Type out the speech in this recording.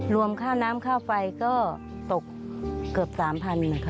รวมค่าน้ำค่าไฟก็ตกเกือบ๓๐๐๐นะคะ